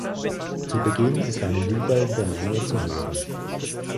Zu Beginn ist eine jubelnde Menge zu hören.